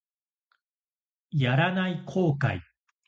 やらない後悔